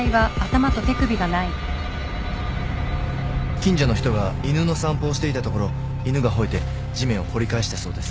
近所の人が犬の散歩をしていたところ犬が吠えて地面を掘り返したそうです。